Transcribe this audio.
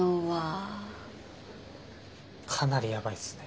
かなりヤバいっすね。